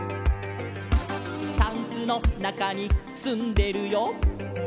「タンスのなかにすんでるよ」